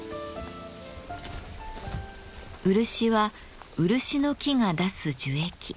漆は漆の木が出す樹液。